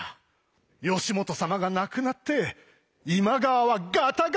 義元様が亡くなって今川はガタガタじゃ！